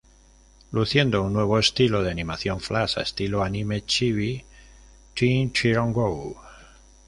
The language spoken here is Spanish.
Luciendo un nuevo estilo de animación flash a estilo anime chibi, "Teen Titans Go!